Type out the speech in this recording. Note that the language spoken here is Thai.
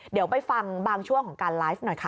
เดี๋ยวไปฟังบางช่วงของการไลฟ์หน่อยค่ะ